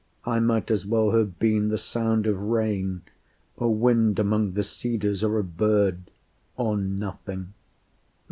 I might as well have been the sound of rain, A wind among the cedars, or a bird; Or nothing.